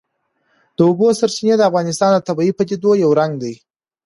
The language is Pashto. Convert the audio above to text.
د اوبو سرچینې د افغانستان د طبیعي پدیدو یو رنګ دی.